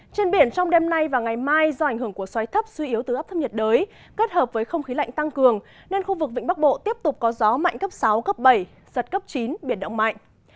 trên biển trong đêm nay và ngày mai do ảnh hưởng của xoáy thấp suy yếu từ ấp thấp nhiệt đới kết hợp với không khí lạnh tăng cường nên khu vực vĩnh bắc bộ tiếp tục có gió mạnh cấp sáu cấp bảy giật cấp chín biển động mạnh